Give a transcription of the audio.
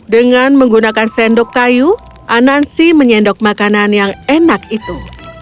dengan menggunakan sendok kayu anansi menyendok makanan yang enak itu